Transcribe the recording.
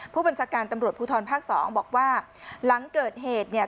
ผู้บัญชาการตำรวจภูทรภาคสองบอกว่าหลังเกิดเหตุเนี่ย